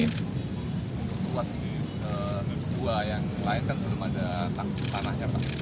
untuk ruas dua yang lain kan belum ada tanahnya pak